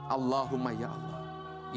allahumma ya allah